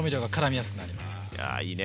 いやいいね。